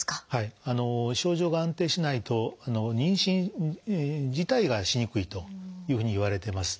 症状が安定しないと妊娠自体がしにくいというふうにいわれてます。